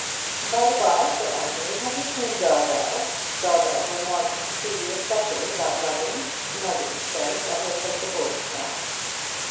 "By the by, Sir Anthony, have you seen Darvel? Darvel was wanting to see you especially about Nuggins. Nuggins says that he'll take the bullocks now."